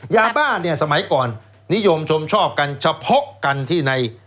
ยาบ้าเนี่ยสมัยก่อนนิยมชมชอบกันเฉพาะกันที่ใน